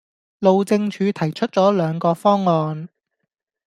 路政署提出咗兩個方案